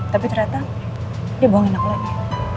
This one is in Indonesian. tapi ternyata dia bohongin aku lagi